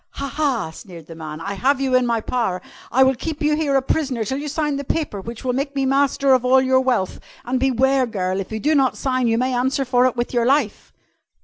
"Ha! Ha!" sneered the man. "I have you in my power. I will keep you here a prisoner till you sign the paper which will make me master of all your wealth, and beware, girl, if you do not sign, you may answer for it with your life!"